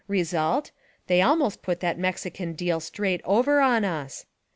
Result: They almost put that Mexican deal straight over on us!